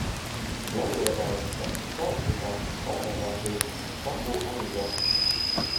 Laiule pääseb kas kaatriga, parvega või kakuamiga.